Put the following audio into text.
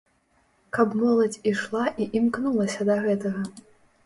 Каб моладзь ішла і імкнулася да гэтага.